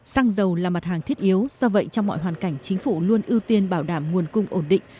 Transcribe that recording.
xăng dầu là mặt hàng thiết yếu do vậy trong mọi hoàn cảnh chính phủ luôn ưu tiên bảo đảm nguồn cung ổn định